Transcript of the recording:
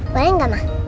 boleh gak ma